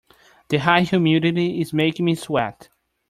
The high humidity is making me sweat.